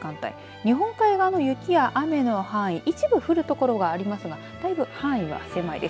日本海側の雪や雨の範囲一部降る所がありますがだいぶ範囲は狭いです。